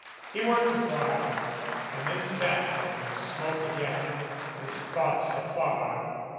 60 WAKE ROBIN" He worked a while and then sat and smoked again, his thoughts afar.